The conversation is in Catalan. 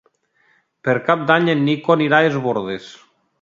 Per Cap d'Any en Nico anirà a Es Bòrdes.